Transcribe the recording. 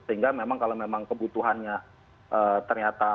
sehingga memang kalau memang kebutuhannya ternyata